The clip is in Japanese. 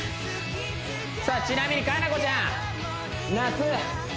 さあちなみに佳菜子ちゃん